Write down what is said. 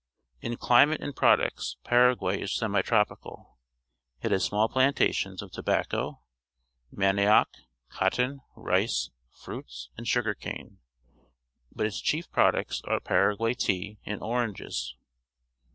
In climate and products Paraguay is semi tropical. It has small plantations of to bacco, manioc, cotton, rice, fruits, and sugar cane, but its chief products are Paraguay tea and oranges.